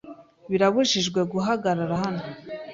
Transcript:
Birabujijwe guhagarara hano.